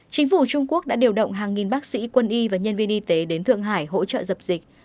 chính phủ trung quốc đã điều động hàng nghìn bác sĩ quân y và nhân viên y tế đến thượng hải hỗ trợ dập dịch